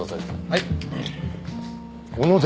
はい。